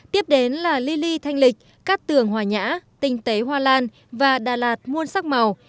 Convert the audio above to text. tiếp đến là li li thanh lịch các tường hòa nhã tinh tế hoa lan và đà lạt muôn sắc màu